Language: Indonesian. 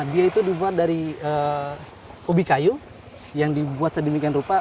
dia itu dibuat dari ubi kayu yang dibuat sedemikian rupa